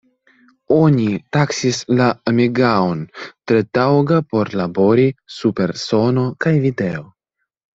Oni taksis la "Amiga-on" tre taŭga por labori super sono kaj video.